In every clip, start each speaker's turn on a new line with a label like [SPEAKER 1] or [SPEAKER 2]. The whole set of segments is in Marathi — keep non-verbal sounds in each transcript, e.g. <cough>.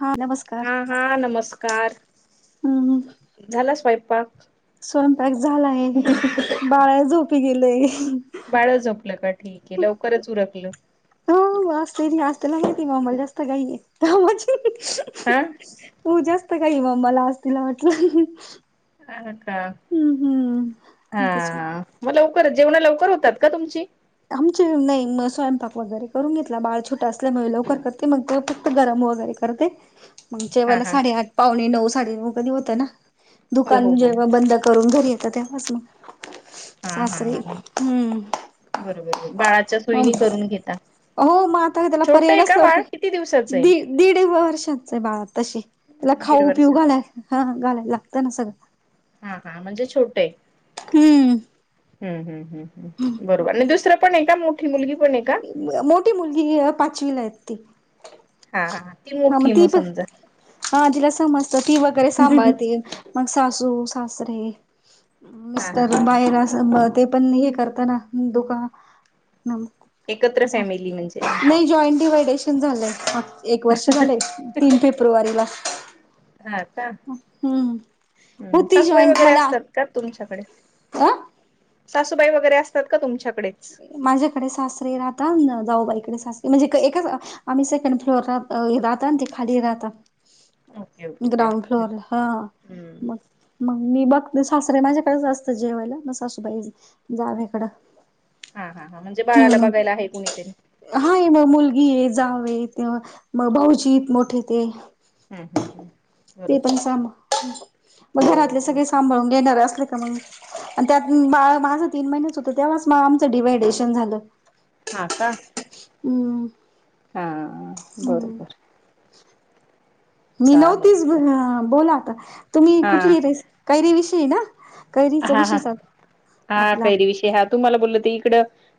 [SPEAKER 1] हा नमस्कार
[SPEAKER 2] हा हा नमस्कार
[SPEAKER 1] हम्म
[SPEAKER 2] झाला स्वयंपाक.
[SPEAKER 1] स्वयंपाक झालाय बाळं झोपी गेलेय.
[SPEAKER 2] बाळं झोपलं का ठीक आहे लवकरच उरकलं.
[SPEAKER 1] हो वाजतय असतेल हाय की म आम्हाला जास्त काही नाही कामाची.
[SPEAKER 2] हं
[SPEAKER 1] तू जास्त काही ममला अस तिला म्हटलं.
[SPEAKER 2] अ का हा
[SPEAKER 1] हम्म तेच
[SPEAKER 2] हा. म लवकर जेवण लवकर होतात का तुमची.
[SPEAKER 1] आमचे नाही मग स्वयंपाक वगैरे करून घेतला बाळ छोटा असल्यामुळे लवकर करते मग ते फक्त गरम वगैरे. करते मग
[SPEAKER 2] हा
[SPEAKER 1] जेवायला
[SPEAKER 2] हा
[SPEAKER 1] साडे आठ पावणे पाऊने नऊ साडे नऊ कधी होतय ना.
[SPEAKER 2] हो हो
[SPEAKER 1] दुकान
[SPEAKER 2] हो
[SPEAKER 1] जेव्हा बंद करून घरी येतं तेव्हाच मग
[SPEAKER 2] हा हा
[SPEAKER 1] सासरे
[SPEAKER 2] हा
[SPEAKER 1] हम्म.
[SPEAKER 2] बरोबर बर बाळा. च्या सोयींनी करून घेता
[SPEAKER 1] हो मग आता त्याला
[SPEAKER 2] छोटं
[SPEAKER 1] पर्याय
[SPEAKER 2] हे का
[SPEAKER 1] नसल्यावर
[SPEAKER 2] बाळ
[SPEAKER 1] काय
[SPEAKER 2] किती दिवसाचं आहे.
[SPEAKER 1] दी दीड वर्षाच आहे बाळ तशी त्याला
[SPEAKER 2] दीड
[SPEAKER 1] खाऊ
[SPEAKER 2] वर्ष
[SPEAKER 1] पिऊ घालाय हं घालायला लागतं ना सगळं.
[SPEAKER 2] हा हा म्हणजे छोटे आहे.
[SPEAKER 1] हम्म.
[SPEAKER 2] हम् हम् हम् बरोबर आणि दुसरं पण आहे का मोठी मुलगी पण आहे का.
[SPEAKER 1] मोठी मुलगी ही पाचवीला आहेत ती.
[SPEAKER 2] हा हा ती मोठी म समजा.
[SPEAKER 1] हा तिला समजत ती वगैरे सांभाळती
[SPEAKER 2] हा
[SPEAKER 1] मग सासू सासरे.
[SPEAKER 2] हा
[SPEAKER 1] मिस्टर
[SPEAKER 2] हा हा
[SPEAKER 1] बायर अस ते पण हे करता ना दुकान नाम.
[SPEAKER 2] एकत्र फॅमिली म्हणजे
[SPEAKER 1] नाही जॉईंट डिवायडेशन झालंय. एक वर्ष झालंय तीन फेब्रुवारीला.
[SPEAKER 2] हा का
[SPEAKER 1] हम्म
[SPEAKER 2] हम्म
[SPEAKER 1] होती
[SPEAKER 2] सासूबाई
[SPEAKER 1] जॉईंट
[SPEAKER 2] वगैरे
[SPEAKER 1] मला.
[SPEAKER 2] असतात का तुमच्याकडे.
[SPEAKER 1] अ
[SPEAKER 2] सासूबाई वगैरे असतात का तुमच्याकडेच.
[SPEAKER 1] माझ्याकडे सासरे राहता अन् जाऊबाईकडे सास म्हणजे अं एकच अं. आम्ही सेकंड फ्लोरला राहता ते खाली राहता
[SPEAKER 2] ओके ओके काय
[SPEAKER 1] ग्राउंड फ्लोअरला. हा
[SPEAKER 2] हम्म
[SPEAKER 1] मग मग मी बघते सासरे माझ्याकडेच असता जेवायला मग सासूबाई जावे कड.
[SPEAKER 2] हा हा हां म्हणजे बाळाला बघायला आहे कुणीतरी.
[SPEAKER 1] हाय मग मुलगी हे, जाव हे ते मग भाऊजी हेत मोठे ते.
[SPEAKER 2] हं हं हं.
[SPEAKER 1] ते पण साभा म मग घरातले
[SPEAKER 2] हो
[SPEAKER 1] सगळे सांभाळून घेणार असले का मग आणि त्यात बाळ माझं तीन महिण्याच होत तेव्हाच म आमचं डिव्हायडेशन झालं.
[SPEAKER 2] हा का.
[SPEAKER 1] हम्म.
[SPEAKER 2] हा
[SPEAKER 1] हम्म
[SPEAKER 2] बरोबर.
[SPEAKER 1] मी
[SPEAKER 2] चालेल
[SPEAKER 1] नव्हतीच
[SPEAKER 2] च
[SPEAKER 1] बोला आता तुम्ही
[SPEAKER 2] हा
[SPEAKER 1] कुठली रेसी काैरी विषयी ना? काैरीचा विषय चालू आपला.
[SPEAKER 2] ह्या तूम्हाला बोलल ते इकड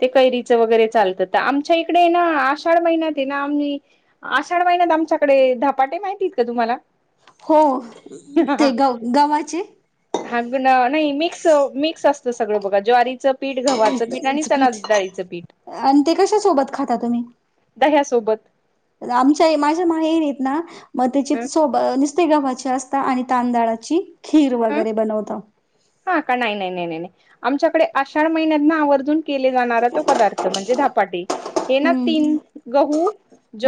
[SPEAKER 2] ते कैरीचं वगैरे चालतं त आमच्या इकडे ना आषाढ महिन्यात आहे ना आम्ही आषाढ महिन्यात आमच्याकडे धपाटे माहिती आहेत का तुम्हाला?
[SPEAKER 1] हो ते गव गव्हाचे.
[SPEAKER 2] हाग ना नाही मिक्स, मिक्स असतं सगळं बघा ज्वारी च पीठ, गव्हाचं पीठ आणि चणा डाळीचं पीठ,
[SPEAKER 1] आणि ते कशा सोबत खाता तुम्ही
[SPEAKER 2] दह्यासोबत.
[SPEAKER 1] आमच्या माझ्या माहेरी आहेत ना मग त्याची
[SPEAKER 2] अ
[SPEAKER 1] सोब अं नुसते गव्हाचे असता आणि तांदळाची खीर वगैरे बनवता.
[SPEAKER 2] हा का नाही, नाही, नाही, नाही, नाही आमच्याकडे आषाढ महिन्यात ना आवर्जून केले जाणार तो पदार्थ म्हणजे धपाटे हे ना
[SPEAKER 1] हम्म
[SPEAKER 2] तीन गहू,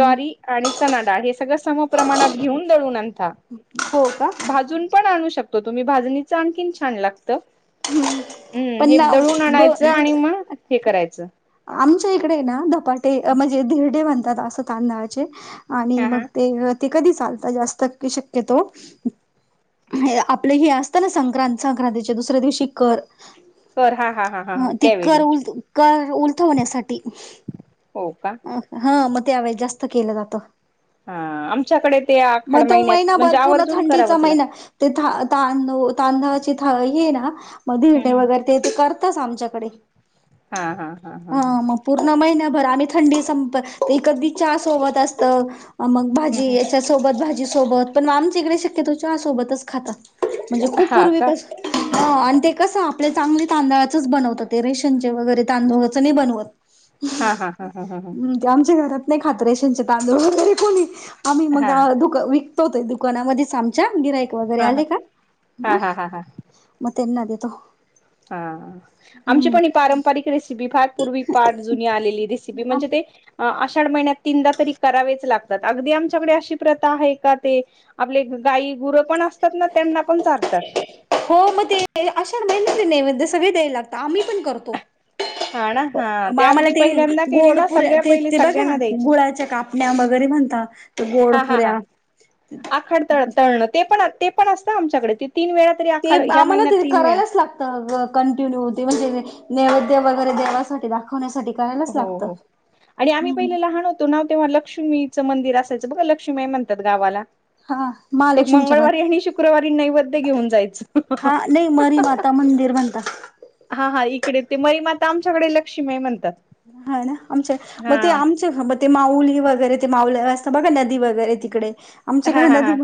[SPEAKER 1] हम्
[SPEAKER 2] आणि चनाडाळ हे सगळं सम प्रमाणात घेऊन दळुणत
[SPEAKER 1] हो का
[SPEAKER 2] भाजून पण आणू शक तुम्ही भाजणी आणखीन छान लागत. हम्म
[SPEAKER 1] पण
[SPEAKER 2] हे
[SPEAKER 1] ना
[SPEAKER 2] दळून
[SPEAKER 1] ब
[SPEAKER 2] आणायचं आणि मग हे करायचं.
[SPEAKER 1] आमच्या इकडे ना धपाटे म्हणजे धिरडे म्हणतात असं तांदळाचे आणि
[SPEAKER 2] हा
[SPEAKER 1] मग
[SPEAKER 2] हा
[SPEAKER 1] ते ते कधी चालतात जास्त शक्यतो. आपलं हे असत ना संक्रां संक्रांतीचे दुसऱ्या दिवशी कर
[SPEAKER 2] कर हा हा हा हा
[SPEAKER 1] अ ती
[SPEAKER 2] त्यावेळी
[SPEAKER 1] कर उल कर उलथवण्यासाठी.
[SPEAKER 2] हो का.
[SPEAKER 1] हा मग त्यावेळेस जास्त केलं जातं.
[SPEAKER 2] हा आमच्याकडे ते
[SPEAKER 1] म
[SPEAKER 2] आखाड
[SPEAKER 1] तो
[SPEAKER 2] महिन्यात
[SPEAKER 1] महिना भर
[SPEAKER 2] म्हणजे
[SPEAKER 1] पूर्ण
[SPEAKER 2] आवर्जून
[SPEAKER 1] थंडीचा
[SPEAKER 2] करावंच लागत.
[SPEAKER 1] महिना. तेथ तांदू तांदळाचे था ना हे आहेना म धिरडे वगैरे ते तर करतास आमच्याकडे
[SPEAKER 2] हा हा हा हा
[SPEAKER 1] ह
[SPEAKER 2] हा.
[SPEAKER 1] मग पूर्ण महिन्याभर आम्ही थंडी संप एकदी चहा सोबत असत मग
[SPEAKER 2] हम्म
[SPEAKER 1] भाजी
[SPEAKER 2] हम्म.
[SPEAKER 1] याच्या सोबत भाजी सोबत पण आमच्या इकडे शक्यतो चहा सोबतच खातात म्हणजे खूप पूर्वी
[SPEAKER 2] ह <unintelligible>
[SPEAKER 1] ह आणि ते कसं आपले चांगले तांदळाचच बनवतात ते रेशनचे वगैरे तांदुळाचं नाही बनवत.
[SPEAKER 2] हा हा हा हा हा हा.
[SPEAKER 1] आमच्या घरात नाही खात रेशंचे तांदूळ वगैरे कोणी आम्ही मग
[SPEAKER 2] हा हा
[SPEAKER 1] त्या दुका दुकानामध्ये सामच्या गिराईक वगैरे
[SPEAKER 2] हा
[SPEAKER 1] आले का म
[SPEAKER 2] हा हा हा
[SPEAKER 1] मग त्यांना देेतो.
[SPEAKER 2] हा आमची पण पारंपरिक रेसिपी फार पूर्वी पाठ जुनी आलेली रेसिपी म्हणजे ते आषाढ महिन्यात तीनदा तरी करावेच लागतात अगदी आमच्याकडे अशी प्रथा आहे का ते आपले गायी गुरं पण असतात ना त्यांना पण चारतात.
[SPEAKER 1] हो मग ते अशाळ महिण्याचे नेवैद्य सगळे द्यायला लागत आम्ही पण करतो.
[SPEAKER 2] हा ना हा
[SPEAKER 1] आम्हाला
[SPEAKER 2] अगदी
[SPEAKER 1] ते
[SPEAKER 2] पहिल्यांदा केले
[SPEAKER 1] गोड
[SPEAKER 2] ना
[SPEAKER 1] पुऱ्या,
[SPEAKER 2] सगळ्या
[SPEAKER 1] ते
[SPEAKER 2] पहिले
[SPEAKER 1] -ते बघा ना
[SPEAKER 2] सगळ्यांना द्यायचे
[SPEAKER 1] गुळाच्या का <unintelligible> म्हणता ते गोड
[SPEAKER 2] हा हा हा
[SPEAKER 1] पुऱ्या
[SPEAKER 2] आखाड तळ- तळण ते पण -ते पण असत आमच्याकडे ते तीन वेळा तरी
[SPEAKER 1] ते
[SPEAKER 2] आखाड
[SPEAKER 1] ब
[SPEAKER 2] ह्या
[SPEAKER 1] आम्हाला
[SPEAKER 2] महिन्यात
[SPEAKER 1] ते
[SPEAKER 2] तीन वेळा
[SPEAKER 1] करायलाच लागत. <unintelligible> कंटिन्यू <unintelligible> नैवेद्य वगैरे देवासाठी खवण्यासाठी करायलाच लागत. हम्म.
[SPEAKER 2] तो नाव तेव्हा लक्ष्मीचं मंदिर असायच बघा, लक्ष्मी हाय म्हणत्यात गावाला.
[SPEAKER 1] हा
[SPEAKER 2] ते
[SPEAKER 1] महालक्ष्मीच्या मन
[SPEAKER 2] मंगळवारी आणि शुक्रवारी नैवेद्य घेऊन जायचं
[SPEAKER 1] हा. नाही मरी माता मंदिर म्हन <unintelligible>
[SPEAKER 2] हा हा इकडे ते मईमाता आमच्याकडे ते लक्ष्मी आहे म्हणतात.
[SPEAKER 1] हा ना? आमचे
[SPEAKER 2] हा
[SPEAKER 1] मग ते आम ते माऊली वगैरे ते माऊला असत बघा नदी वगैरे. तिकडे
[SPEAKER 2] हा
[SPEAKER 1] आमच्याकडे
[SPEAKER 2] हा हा
[SPEAKER 1] नदी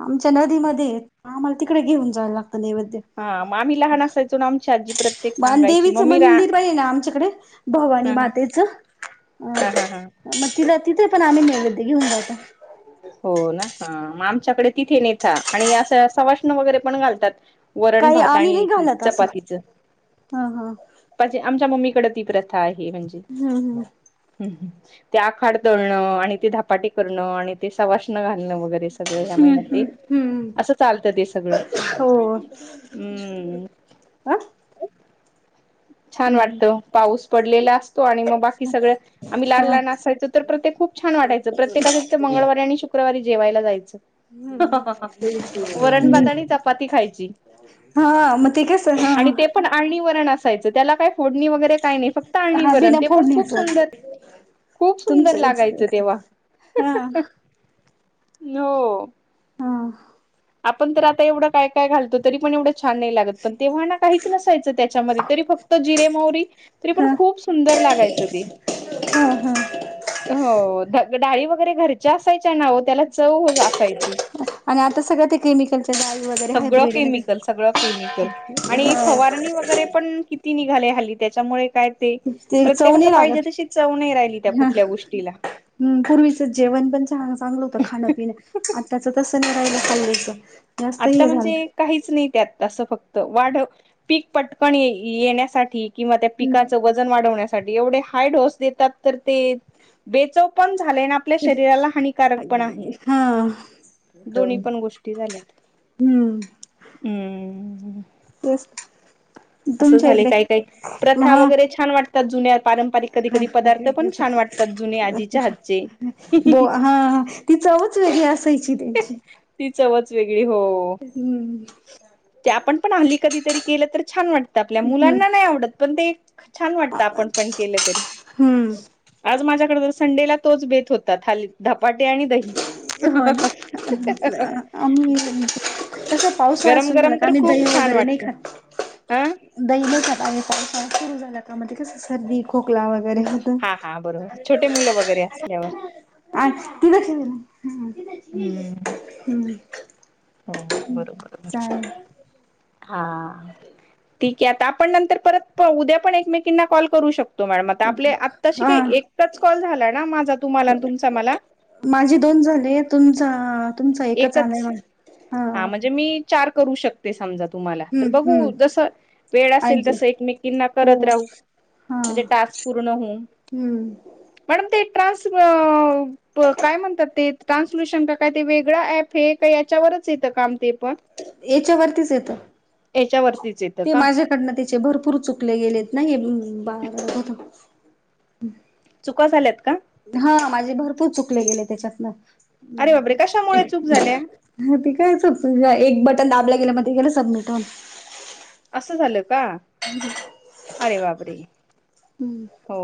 [SPEAKER 1] आमच्या नदीमध्ये <unintelligible> आम्हाला तिकडे घेऊन जायला लागतं नैवेद्य.
[SPEAKER 2] हा मग आम्ही लहान असायचो ना आमची आजी प्रत्येक सांगायची
[SPEAKER 1] बानदेवीचं
[SPEAKER 2] मम्मी रा
[SPEAKER 1] मंदिर पण ना आमच्याकडे भवानी
[SPEAKER 2] हा हा
[SPEAKER 1] मातेच. अ
[SPEAKER 2] हा हा हा
[SPEAKER 1] म तिला तिथे पण आम्ही नैवेद्य घेऊन जातो.
[SPEAKER 2] हो ना? ह म आमच्याकडे तिथे नेता आणि असं सवाष्ण वगैरे पण घालतात.
[SPEAKER 1] काही
[SPEAKER 2] वरण-भात
[SPEAKER 1] आम्ही
[SPEAKER 2] आणि
[SPEAKER 1] नाही घालत असं
[SPEAKER 2] चपातीच
[SPEAKER 1] ह ह
[SPEAKER 2] <unintelligible> आमच्या मम्मीकडे ती प्रथा आहे. म्हणजे
[SPEAKER 1] हम् हम.
[SPEAKER 2] हम हम. ते आखाड तळणं आणि ते धपाटी करणं आणि सवाश्ण्य घालणं, वगैरे सगळं या
[SPEAKER 1] हम्म
[SPEAKER 2] महिन्यात
[SPEAKER 1] हम्म
[SPEAKER 2] ते
[SPEAKER 1] हम्म हम्म
[SPEAKER 2] असं चालत ते सगळं.
[SPEAKER 1] हो
[SPEAKER 2] हम्म.
[SPEAKER 1] <inaudible>
[SPEAKER 2] छान
[SPEAKER 1] हम्म
[SPEAKER 2] वाटतं. पाऊस पडलेला असतो आणि मग बाकी सगळ आम्ही लान
[SPEAKER 1] हा
[SPEAKER 2] लान असायचो तर प्रत्ये खुप छान वाटाचं. प्रतेकाच्या तीत मंगळवारी आणि शू क्रवारी जेवायला जायचं.
[SPEAKER 1] हम्म
[SPEAKER 2] वरणभात आणि चपाती खायची.
[SPEAKER 1] हा मग ते कस हा
[SPEAKER 2] आणि ते पण आळणी वरण अस सायच. त्याला काय फोडणी वगैरे काही नाही. फक्त आळनी
[SPEAKER 1] हा
[SPEAKER 2] वरण.
[SPEAKER 1] बिना
[SPEAKER 2] ते पण खूप
[SPEAKER 1] फोडणीच
[SPEAKER 2] सुंदर खूप सुंदर
[SPEAKER 1] तुमचं
[SPEAKER 2] लागायचं तेव्हा.
[SPEAKER 1] हा
[SPEAKER 2] हो.
[SPEAKER 1] हा.
[SPEAKER 2] आपण तर आता एवढं काय -काय घालतो तरीपण एवढ छान नाही लागत. पण, तेव्हा ना काहीच नसायचं त्याच्यामध्ये तरी फक्त जिरे, मोहरी तरी पण
[SPEAKER 1] हा
[SPEAKER 2] खूप सुंदर लागायचं ते.
[SPEAKER 1] हा हा
[SPEAKER 2] हो ध डाळी वगैरे घरच्या असायच्या ना ओ. त्याला चव असायची.
[SPEAKER 1] आणि आता सगळ ते केमिकल
[SPEAKER 2] सगळं केमिकल, सगळं केमिकल आणि
[SPEAKER 1] हा
[SPEAKER 2] फवारणी वगैरे पण किती निघाले हल्ली त्याच्यामुळे काय ते
[SPEAKER 1] ते
[SPEAKER 2] प्रत्येक
[SPEAKER 1] चव नाही
[SPEAKER 2] असं पाहिजे
[SPEAKER 1] लागत
[SPEAKER 2] तशी चव नाही राहिली त्या कुठल्या गोष्टीला.
[SPEAKER 1] हम. <unintelligible> जेवण पण चांगलं होतं खाणपिणं आत्ताच तसं नाही राहिलं हल्लीच.
[SPEAKER 2] आता म्हणजे काहीच नाही त्यात असं. फक्त वाढ पीक पटकन ये येण्यासाठी किंवा त्या
[SPEAKER 1] हम्म
[SPEAKER 2] पिकाच वज जन वाढवण्या साठी येवढे हाय ढोस देतात. तर ते बेचव पण झालय ना आपल्या शरीराला हानिकारक पण आहे.
[SPEAKER 1] हा
[SPEAKER 2] दोन्ही पण गोष्टी झाल्यात.
[SPEAKER 1] हम्म.
[SPEAKER 2] हम्म.
[SPEAKER 1] तेच
[SPEAKER 2] असं
[SPEAKER 1] तुमच्या
[SPEAKER 2] झालय
[SPEAKER 1] इकडे
[SPEAKER 2] काय -काय, प्रथा
[SPEAKER 1] हा
[SPEAKER 2] वगैरे छान वाटतात जुन्या पारंपरिक कधी
[SPEAKER 1] हा
[SPEAKER 2] कधी पदार्थ पण छान वाटतात. जुने आजीच्या हातचे.
[SPEAKER 1] बो हा ती चवच वेगळी असायची त्यांची.
[SPEAKER 2] ती चवच वेगळी हो,
[SPEAKER 1] हम्म
[SPEAKER 2] ते आपण पण आनली कधीतरी केलं तर छान वाटतं, आपल्या
[SPEAKER 1] हम्म
[SPEAKER 2] मुलांना नाही आवडत पण ते छान वाटत आपण पण केलं तरी.
[SPEAKER 1] हम्म
[SPEAKER 2] आज माझ्याकडे तर संडेला तोच बेत होता, था धपाटे आणि दही.
[SPEAKER 1] न आम्ही <unintelligible> तस पावसाळा
[SPEAKER 2] गरम
[SPEAKER 1] सुरू झाला
[SPEAKER 2] गरम
[SPEAKER 1] का,
[SPEAKER 2] तर
[SPEAKER 1] आम्ही दही
[SPEAKER 2] खूप छान
[SPEAKER 1] वगैरे नाही
[SPEAKER 2] वाटतं
[SPEAKER 1] खात.
[SPEAKER 2] अ
[SPEAKER 1] दही नहीं खात आम्ही पावसाळा सूरू झाला का मग कस ते सर्दी, खोकला वगैरे
[SPEAKER 2] हा हा बरोबर, छोटे मुलं वगैरे असल्यावर
[SPEAKER 1] अ त लशी दिलं <unintelligible>
[SPEAKER 2] हम्म.
[SPEAKER 1] हम्म.
[SPEAKER 2] हो बरोबर, हा. ठीक आहे, आता आपण नंतर परत उद्या पण एकमेकींना कॉल करू शकतो. हो मॅडम आता आपले, आत्ताशी
[SPEAKER 1] हा
[SPEAKER 2] काही एकच कॉल झाला ना माझा तुम्हाला तुमचा मला?
[SPEAKER 1] माझी दोन झाले, तुमचा आ तुमचा एकच आलंय मला.
[SPEAKER 2] हा म्हणजे मी चार करू शक ते समजा तुम्हाला, तर बघू
[SPEAKER 1] हम्म
[SPEAKER 2] जस वेळ असेल
[SPEAKER 1] आजे
[SPEAKER 2] तसं एकमेकींना
[SPEAKER 1] हो
[SPEAKER 2] करत राहू
[SPEAKER 1] हा
[SPEAKER 2] म्हणजे टास्क पूर्ण होऊन.
[SPEAKER 1] हम्म.
[SPEAKER 2] मॅडम ते ट्रान्स्क्रब काय म्हणतात ते? ट्रान्सल्युशन का काय ते वेग ळ ऍप आहे का याच्यावर च येत काम ते पण,
[SPEAKER 1] याच्यावरतीच येतं
[SPEAKER 2] याच्या वरतीच येतं का?
[SPEAKER 1] कडन तिचे भरपूर चुकले गेलेत ना हे ब
[SPEAKER 2] चुका झाल्यात का?
[SPEAKER 1] हा माझे भरपूर चुकले गेले त्याच्यातनं.
[SPEAKER 2] अरे बापरे कशामुळे चूक झाल्या?
[SPEAKER 1] ह ते काय चुक एक बटन दाबलं गेलं, मग ते गेलं सबमिट होऊन.
[SPEAKER 2] असं झालं का? अरे बाप रे
[SPEAKER 1] होऊन
[SPEAKER 2] हो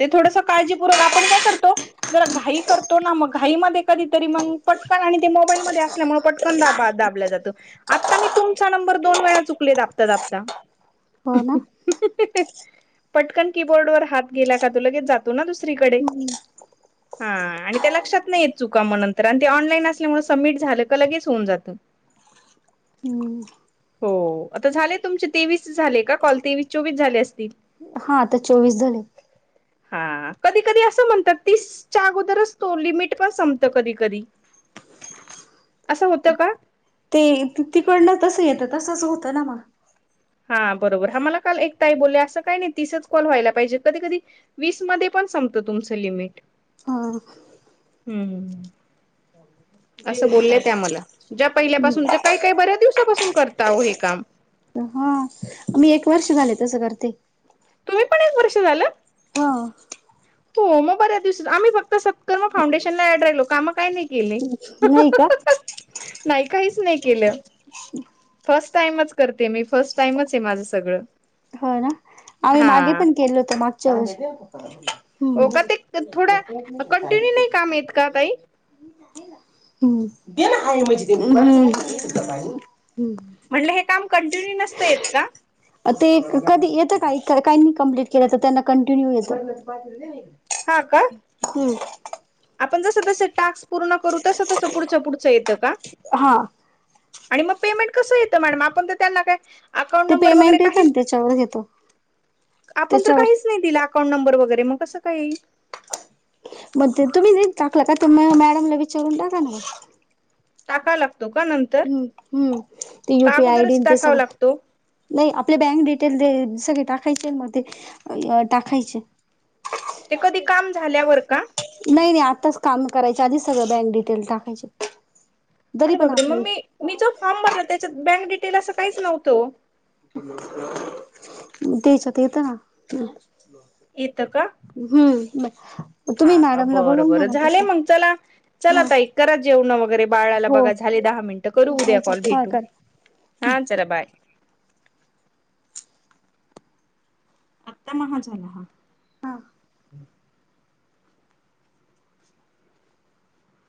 [SPEAKER 2] ते थोडंसं काळजीपूर्वक, आपण काय करतो जरा घाई करतो ना मग, घाई मध्ये कधीतरी मग पटकन आणि ते मोबाईल मध्ये असल्यामुळे पट कण, दाबाद दाबल जातं, आता मी तुमचा नंबर दोन वेळा चुकले दाबता दाबता.
[SPEAKER 1] हो ना
[SPEAKER 2] पटकन कीबोर्ड वर हात गेला का तो लगेच जातोना दुसरीकडे. हं आणि ते लक्षात नाहीयेत चुका म नंतर आणि ते ऑनलाईन असल्यामुळे सबमिट झालं, का लगेच होऊन जात. <inaudible>
[SPEAKER 1] हम्.
[SPEAKER 2] हो आता, झाले तुमचे तेवीस झाले, का कॉल तेवीस- चोवीस झाले असतील.
[SPEAKER 1] हा आता चोवीस झाले.
[SPEAKER 2] हा. कधी कधी असं म्हणतात, तीस च्या अगोदरच तो लिमट पण संपत कधी कधी. असं होतं का?
[SPEAKER 1] ते तिकडन तसं येतं तसंच होतं ना मग.
[SPEAKER 2] हा बरोबर, हा मला काल एक ताई बोलल्या असं काही नाही तिसच कॉल व्हायला पाहिजे कधी कधी वीस मध्ये पण संपतो तुमचं लिमिट.
[SPEAKER 1] हां.
[SPEAKER 2] हम्मम.
[SPEAKER 1] हो <inaudible>
[SPEAKER 2] असं बोललंय त्या मला, ज्या पहिल्यापासूनच काही काही बऱ्याच दिवसापासून करताहो हे काम.
[SPEAKER 1] हो, मी एक वर्ष झाले तसं करते.
[SPEAKER 2] तुम्ही पण एक वर्ष झालं?
[SPEAKER 1] हा
[SPEAKER 2] हो मग बऱ्या दिवसात, आम्ही फक्त स करमा फाउंडेशन ला ऍड राहिलो, कामं काय नाही केले.
[SPEAKER 1] नाही का
[SPEAKER 2] नाही काहीच नाही केलं. फर्स्ट टाइमच करते मी. फर्स्ट टाइमच आहे माझं सगळं.
[SPEAKER 1] हो ना, आम्ही मागे
[SPEAKER 2] हा
[SPEAKER 1] पण केलं होतं मागच्या वषी
[SPEAKER 2] हो का ते, थोडा कंटिन्यू नाही काम येत का काय?
[SPEAKER 1] हम्म, घे ना हाय म्हणजे ते <unintelligible>
[SPEAKER 2] म्हटलं हे काम कंटिन्यू नसतं येत का?
[SPEAKER 1] ते कधी येतं काय काहींनी कम्प्लीट केलं, तर त्यांना कंटिन्यू येतं.
[SPEAKER 2] हा का?
[SPEAKER 1] हम्म
[SPEAKER 2] आपण जसं जसं टाक्स पूर्ण करू, तसं तसं पुढच्या पुढचं येतं का?
[SPEAKER 1] हा
[SPEAKER 2] आणि मगं पेमेंट कसं येतं मॅडम, आपण तर त्यांना काय अकाउंट
[SPEAKER 1] ते
[SPEAKER 2] नंबर वगैरे
[SPEAKER 1] पेमेंट येतं ना
[SPEAKER 2] काहीचं,
[SPEAKER 1] त्याच्यावर घेतो
[SPEAKER 2] आपण तर
[SPEAKER 1] त्याच्यावर
[SPEAKER 2] काहीच नाही दिलं अकाउंट नंबर वगैरे, मग कसं काय येईल?
[SPEAKER 1] मंग ते तुम्ही जे टाकलं का, ते मॅडमला विचारून टाका ना.
[SPEAKER 2] टाकाय लागतो का नंत
[SPEAKER 1] हम्म हम्म, ते युपीआयडी ते
[SPEAKER 2] टाकावा
[SPEAKER 1] सगळं
[SPEAKER 2] लागतो?
[SPEAKER 1] नाही आपले बँक डिटेल दे सगळे टाकायचे म ते टाकायचे.
[SPEAKER 2] ते कधी काम झाल्यावर का?
[SPEAKER 1] नाही नाही, आत्ताच काम करायच्या आधीच सगळं बँक डिटेल टाकायचे, तरी
[SPEAKER 2] अरे
[SPEAKER 1] पण
[SPEAKER 2] बापरे मग
[SPEAKER 1] आपलं
[SPEAKER 2] मी मी जो फॉर्म भरला त्याच्यात, बँक डिटेल असं काहीच नव्हतं हो?
[SPEAKER 1] त्याच्यात येतं ना.
[SPEAKER 2] येेतं का?
[SPEAKER 1] हम्म
[SPEAKER 2] हा
[SPEAKER 1] तुम्ही
[SPEAKER 2] का,
[SPEAKER 1] मॅडमला
[SPEAKER 2] बरं
[SPEAKER 1] बोलवून घ्या
[SPEAKER 2] बरं
[SPEAKER 1] ना
[SPEAKER 2] झाले
[SPEAKER 1] तसं
[SPEAKER 2] मग चला चला
[SPEAKER 1] हा
[SPEAKER 2] ताई, करा जेवणं वगैरे बाळाला
[SPEAKER 1] हो
[SPEAKER 2] बघा,
[SPEAKER 1] हो
[SPEAKER 2] झाले दहा मिनटं करू उद्या कॉल
[SPEAKER 1] चालेल हा
[SPEAKER 2] भेटू.
[SPEAKER 1] कर
[SPEAKER 2] हा चला बाय. आता महा झाला हा.
[SPEAKER 1] हा